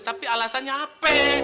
tapi alasannya apa